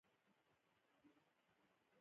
زه خراب عادتونه پرېږدم.